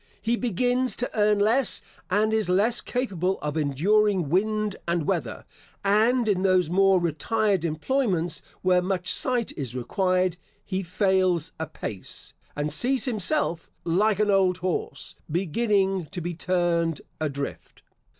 He begins to earn less, and is less capable of enduring wind and weather; and in those more retired employments where much sight is required, he fails apace, and sees himself, like an old horse, beginning to be turned adrift.